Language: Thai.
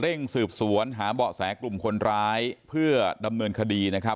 สืบสวนหาเบาะแสกลุ่มคนร้ายเพื่อดำเนินคดีนะครับ